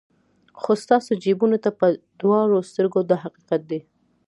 خو ستاسو جیبونو ته په دواړو سترګو دا حقیقت دی.